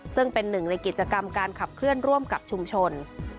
ซึ่งเป็นหนึ่งในกิจกรรมการขับเคลื่อนร่วมกับชุมชน